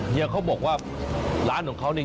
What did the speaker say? เกี๊ยวเขาบอกว่าร้านของเขา